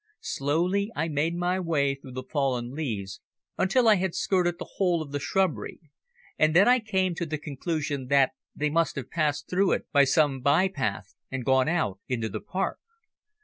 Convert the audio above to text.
Slowly I made my way through the fallen leaves until I had skirted the whole of the shrubbery, and then I came to the conclusion that they must have passed through it by some bypath and gone out into the park.